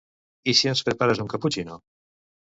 I si ens prepares un caputxino?